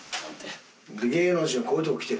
芸能人はこういうとこ来てる？